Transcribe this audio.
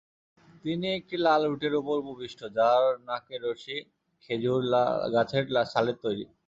তিনি একটি লাল উটের উপর উপবিষ্ট—যার নাকের রশি খেজুর গাছের ছালের তৈরি।